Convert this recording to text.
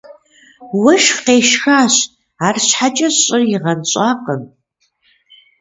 Уэшх къешхащ, арщхьэкӏэ щӏыр игъэнщӏакъым.